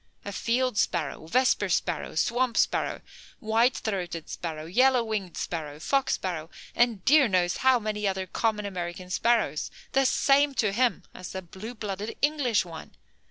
A field sparrow, vesper sparrow, swamp sparrow, white throated sparrow, yellow winged sparrow, fox sparrow, and dear knows how many other common American sparrows, the same to him as a blue blooded English one.